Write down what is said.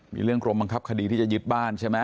มีเรื่องกรมบังคับคดีที่จะยึดบ้านใช่ไหม